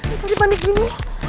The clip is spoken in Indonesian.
ini jadi panik gini